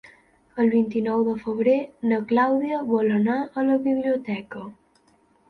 El vint-i-nou de febrer na Clàudia vol anar a la biblioteca.